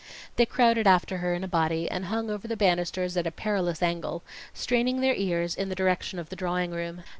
They crowded after her in a body and hung over the banisters at a perilous angle, straining their ears in the direction of the drawing room.